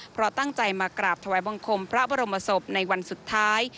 เพราะตั้งใจมากราบถวายบังคมพระบรมศพในวันสุดท้าย